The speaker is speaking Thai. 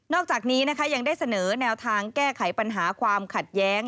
อกจากนี้นะคะยังได้เสนอแนวทางแก้ไขปัญหาความขัดแย้ง